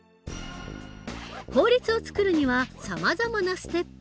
法律を作るにはさまざまなステップが存在する。